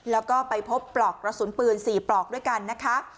แล้วก็ไปพบปลอกกระสุนปืน๔ปลอกด้วยกันนะคะ